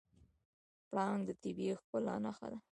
پړانګ د طبیعي ښکلا نښه ده.